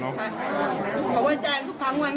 อ๋อบ้านยายเขาน่ะ